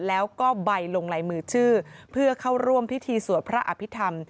แล้วก็ใบลงลายมือชื่อเพื่อเข้าร่วมพิธีสวดพระอภิษฐรรม